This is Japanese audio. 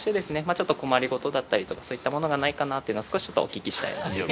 ちょっと困り事だったりとかそういったものがないかなっていうのを少しお聞きしたいなというふうに。